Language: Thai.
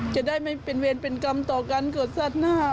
จะได้ไม่เป็นเวรเป็นกรรมต่อการเกิดสัตว์หน้า